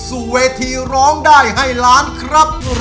สู่เวทีร้องได้ให้ล้านครับ